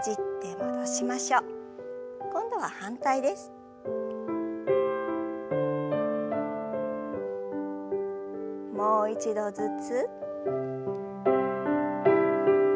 もう一度ずつ。